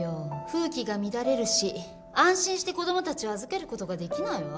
風紀が乱れるし安心して子供たちを預けることができないわ。